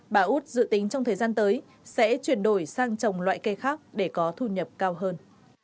bà út dự tính trong thời gian tới sẽ chuyển đổi sang trồng loại cây khác để có thu nhập cao hơn